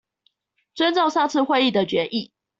遵照上次會議的決議